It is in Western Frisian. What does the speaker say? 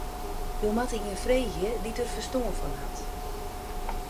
Jo moatte ien freegje dy't dêr ferstân fan hat.